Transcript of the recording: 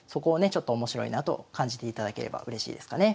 ちょっと面白いなと感じていただければうれしいですかね。